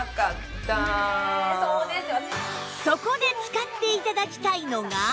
そこで使って頂きたいのが